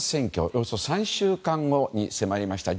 およそ３週間後に迫りました。